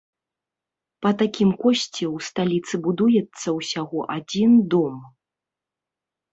Па такім кошце ў сталіцы будуецца ўсяго адзін дом.